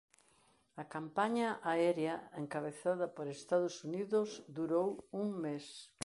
A campaña aérea encabezada por Estados Unidos durou un mes.